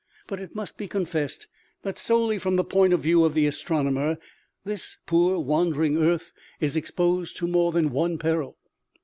But it must be confessed that, solely from the point of view of the astronomer, this poor, wandering earth is exposed to more than one peril.